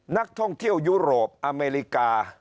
นักท่องเที่ยวยุโรปอเมริกา